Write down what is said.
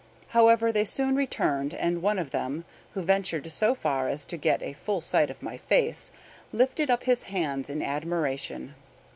However, they soon returned, and one of them, who ventured so far as to get a full sight of my face, lifted up his hands in admiration.